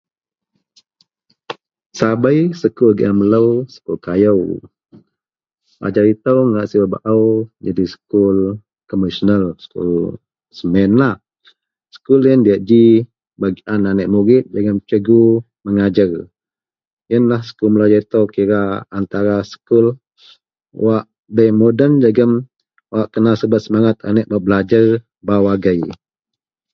Sabei sekul gian melou sekul kayou, ajau itou ngak sibet baao jadi sekul konvensional sekul semenlah, sekul yen diyak ji bak gian aneak murid jegem cikgu mengajer, yen lah sekul melou ajau itou kira antara sekul wak bei moden jegem wak kena subet semenget aneak bak belajer bau agei